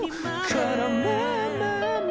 「このまま」